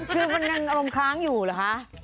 คือมันยังอารมณ์ค้างอยู่เหรอคะ